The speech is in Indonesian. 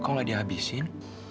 kok gak dihabisin